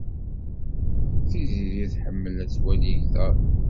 Tiziri tḥemmel ad twali igḍaḍ.